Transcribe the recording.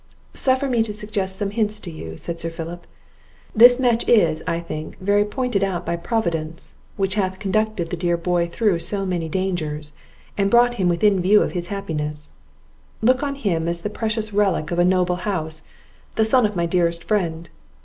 "Suffer me to suggest some hints to you," said Sir Philip. "This match is, I think, verily pointed out by Providence, which hath conducted the dear boy through so many dangers, and brought him within view of his happiness; look on him as the precious relic of a noble house, the son of my dearest friend!